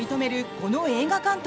この映画監督